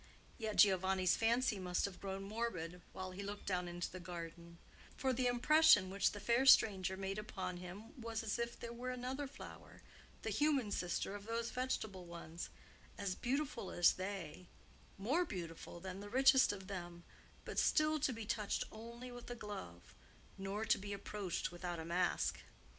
Yet Giovanni's fancy must have grown morbid while he looked down into the garden; for the impression which the fair stranger made upon him was as if here were another flower, the human sister of those vegetable ones, as beautiful as they, more beautiful than the richest of them, but still to be touched only with a glove, nor to be approached without a mask.